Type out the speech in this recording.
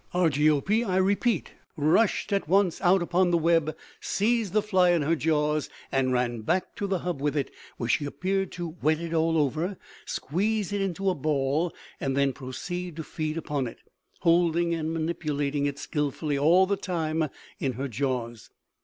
Argiope, I repeat, rushed at once out upon the web, seized the fly in her jaws and ran back to the hub with it, where she appeared to wet it all over, squeeze it into a ball and then proceed to feed upon it, holding and manipulating it skillfully all the time in her jaws.